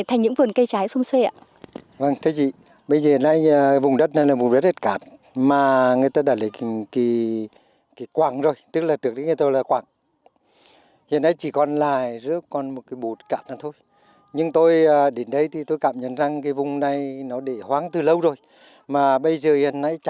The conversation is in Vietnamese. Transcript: thành những vườn cây trái sung xuê ạ